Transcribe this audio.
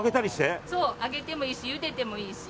揚げてもいいしゆでてもいいし。